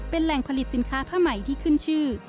เป็นแหล่งผลิตสินค้าผ้าใหม่ที่ขึ้นชื่อ